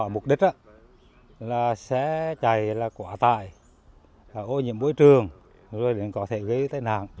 mục đích là xe chạy là quả tải ô nhiễm bối trường rồi có thể gây tai nạn